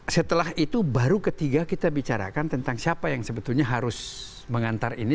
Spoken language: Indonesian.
setelah itu baru ketiga kita bicarakan tentang siapa yang sebetulnya harus mengantar ini